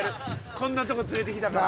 こんなとこ連れてきたから。